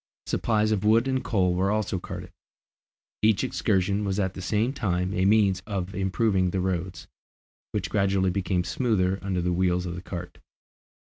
Supplies of wood and coal were also carted. Each excursion was at the same time a means of improving the roads, which gradually became smoother under the wheels of the cart.